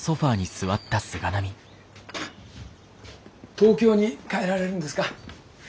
東京に帰られるんですか？